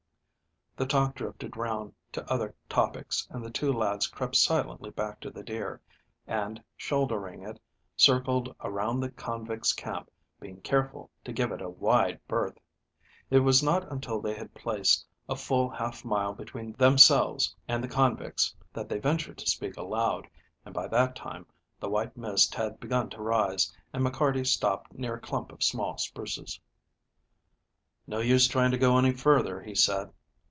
The talk drifted round to other topics, and the two lads crept silently back to the deer, and, shouldering it, circled around the convicts' camp, being careful to give it a wide berth. It was not until they had placed a full half mile between themselves and the convicts that they ventured to speak aloud, and by that time the white mist had begun to rise, and McCarty stopped near a clump of small spruces. "No use trying to go any farther," he said.